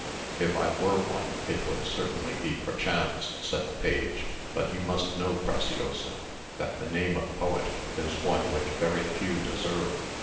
"If I were one, it would certainly be perchance," said the page; "but you must know, Preciosa, that the name of poet is one which very few deserve.